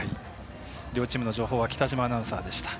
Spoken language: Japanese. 両チームの情報は北嶋アナウンサーでした。